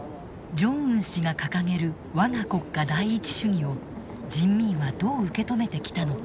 ジョンウン氏が掲げるわが国家第一主義を人民はどう受け止めてきたのか。